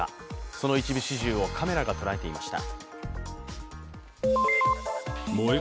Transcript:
その一部始終をカメラが捉えていました。